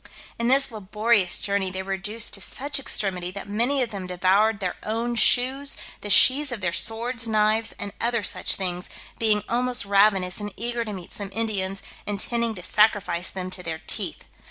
In this laborious journey they were reduced to such extremity, that many of them devoured their own shoes, the sheaths of their swords, knives, and other such things, being almost ravenous, and eager to meet some Indians, intending to sacrifice them to their teeth.